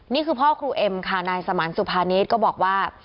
นี่คือพ่อครูเอ็มค่ะนายสมานสุภานิษฐ์ก็บอกว่า